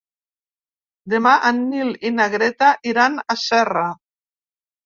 Demà en Nil i na Greta iran a Serra.